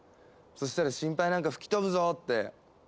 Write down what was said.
そしたら心配なんか吹き飛ぶぞって。